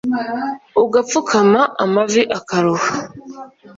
ugapfukama amavi akaruha